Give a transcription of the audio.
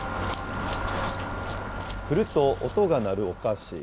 振ると音が鳴るお菓子。